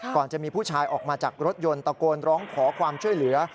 ก่อนจะมีผู้ชายออกมาจากรถยนต์ตะโกนร้องขอความช่วยเหลือ